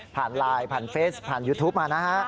ผ่านไลน์ผ่านเฟสผ่านยูทูปมานะฮะ